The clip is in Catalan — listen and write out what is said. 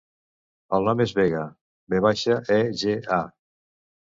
El nom és Vega: ve baixa, e, ge, a.